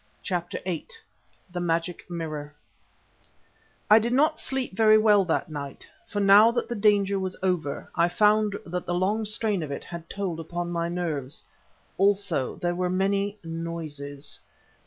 CHAPTER VIII THE MAGIC MIRROR I did not sleep very well that night, for now that the danger was over I found that the long strain of it had told upon my nerves. Also there were many noises.